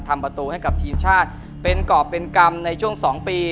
ทำประตูให้กับทีมชาติเป็นกรอบเป็นกรรมในช่วง๒ปี